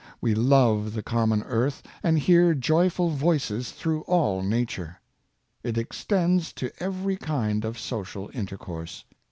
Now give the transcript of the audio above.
We love the common earth, and hear jo3^ful voices through all nature. It extends to every kind of social intercourse.